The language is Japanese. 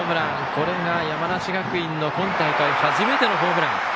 これが山梨学院の今大会初めてのホームラン。